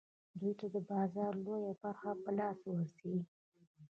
دوی ته د بازار لویه برخه په لاس ورځي